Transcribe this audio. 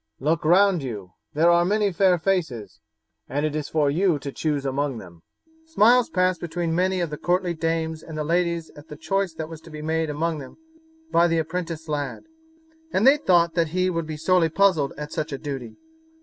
Look round you; there are many fair faces, and it is for you to choose among them." Smiles passed between many of the courtly dames and ladies at the choice that was to be made among them by the apprentice lad; and they thought that he would be sorely puzzled at such a duty.